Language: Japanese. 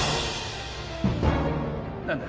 何だ？